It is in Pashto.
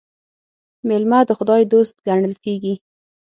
مېلمه د خداى دوست ګڼل کېږي.